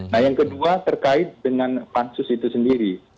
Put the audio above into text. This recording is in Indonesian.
nah yang kedua terkait dengan pansus itu sendiri